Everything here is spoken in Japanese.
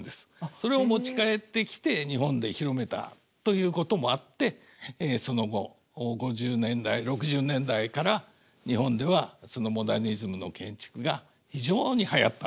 それを持ち帰ってきて日本で広めたということもあってその後５０年代６０年代から日本ではそのモダニズムの建築が非常にはやったんですね。